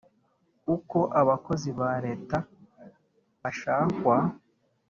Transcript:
uko abakozi ba leta bashakwa